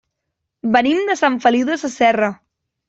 Venim de Sant Feliu Sasserra.